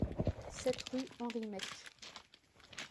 sept rue Henri Meck